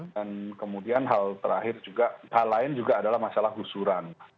dan kemudian hal terakhir juga hal lain juga adalah masalah husuran